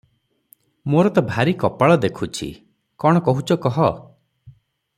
ମୋର ତ ଭାରି କପାଳ ଦେଖୁଛି! କ’ଣ କହୁଛ କହ ।”